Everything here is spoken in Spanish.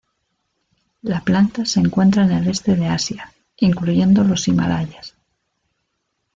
La planta se encuentra en el este de Asia, incluyendo los Himalayas.